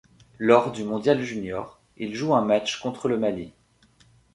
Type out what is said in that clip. Lors du mondial junior, il joue un match contre le Mali.